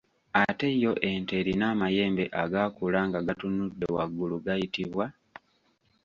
Ate yo ente erina amayembe agaakula nga gatunudde waggulu gayitibwa?